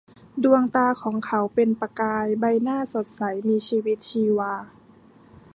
ดวงตาของเขาเป็นประกาย ใบหน้าสดใสมีชีวิตชีวา